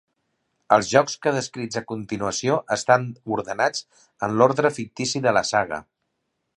Els jocs que descrits a continuació estan ordenats en l'ordre fictici de la saga.